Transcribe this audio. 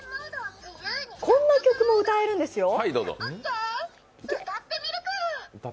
こんな曲も歌えるんですよ。